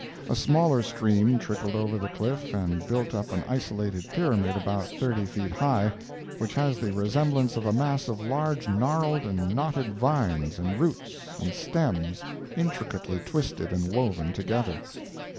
A smaller stream trickled over the cliff and built up an isolated pyramid about thirty feet high, which has the resemblance of a mass of large gnarled and knotted vines and roots and stems intricately twisted and woven together.